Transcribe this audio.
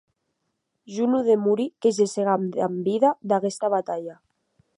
Ja non demori que gescam damb vida d’aguesta batalha.